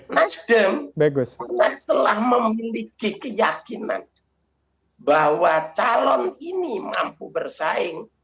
nasjid nabi pernah telah memiliki keyakinan bahwa calon ini mampu bersaing